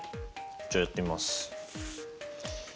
じゃあやってみます。